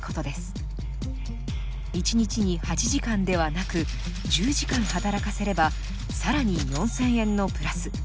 １日に８時間ではなく１０時間働かせれば更に４，０００円のプラス。